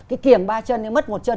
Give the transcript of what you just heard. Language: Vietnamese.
cái kiểm ba chân nếu mất một chân